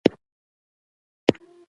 روسي او انګلیسي ژبو مقالې هم وې.